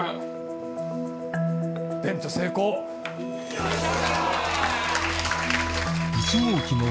よっしゃ！